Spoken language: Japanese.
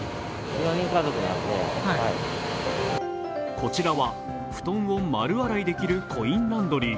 こちらは布団を丸洗いできるコインランドリー。